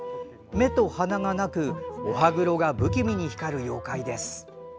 目と鼻がなくお歯黒が不気味に光る妖怪です。